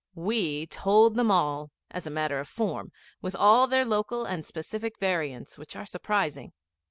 We told them all, as a matter of form, with all their local and specific variants which are surprising.